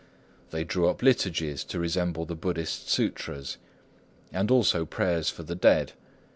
They drew up liturgies to resemble the Buddhist sûtras; and also prayers for the dead.